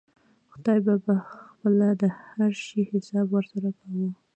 خداى به پخپله د هر شي حساب ورسره وکا.